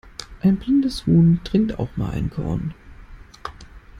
Ein blindes Huhn trinkt auch mal einen Korn.